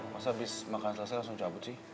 masa habis makan selesai langsung cabut sih